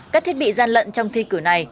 các thiết bị gian lận trong thi cử này